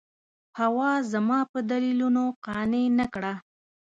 حوا زما په دلیلونو قانع نه کړه.